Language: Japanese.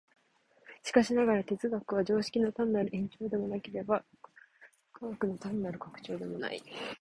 しかしながら、哲学は常識の単なる延長でもなければ、科学の単なる拡張でもない。